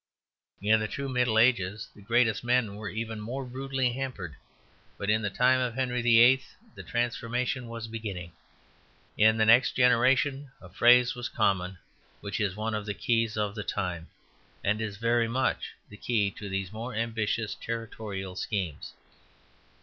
In the true Middle Ages the greatest men were even more rudely hampered, but in the time of Henry VIII. the transformation was beginning. In the next generation a phrase was common which is one of the keys of the time, and is very much the key to these more ambitious territorial schemes.